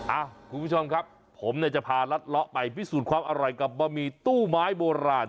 คุณผู้ชมครับผมเนี่ยจะพารัดเลาะไปพิสูจน์ความอร่อยกับบะหมี่ตู้ไม้โบราณ